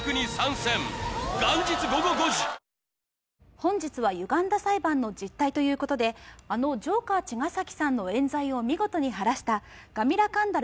本日は歪んだ裁判の実態ということであのジョーカー茅ヶ崎さんのえん罪を見事に晴らしたガミラカンダル